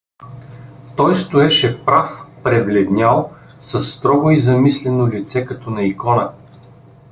Той стоеше прав, пребледнял, със строго и замислено лице като на икона.